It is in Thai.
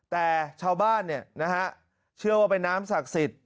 แต่ชาวบ้านเชื่อว่าเป็นน้ำศักดิ์สิทธิ์